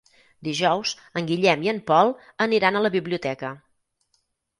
Dijous en Guillem i en Pol aniran a la biblioteca.